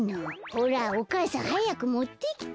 ほらお母さんはやくもってきて。